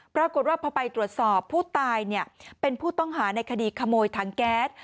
ปรากฏว่าพอไปตรวจสอบผู้ตายเป็นผู้ต้องหาในคดีขโมยถังแก๊ส